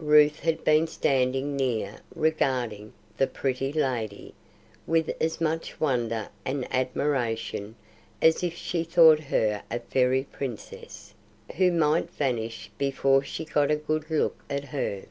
Ruth had been standing near regarding the "pretty lady," with as much wonder and admiration as if she thought her a fairy princess, who might vanish before she got a good look at her.